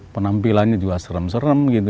penampilannya juga serem serem